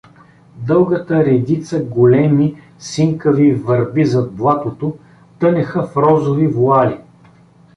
Дългата редица големи синкави върби зад блатото тънеха в розови воали.